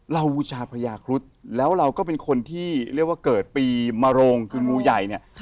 บูชาพญาครุฑแล้วเราก็เป็นคนที่เรียกว่าเกิดปีมโรงคืองูใหญ่เนี่ย